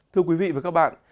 thưa quý vị và các bạn